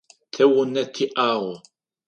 Тэ унэ тиӏагъ.